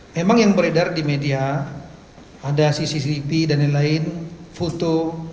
memang yang beredar di media ada cctv dan lain lain foto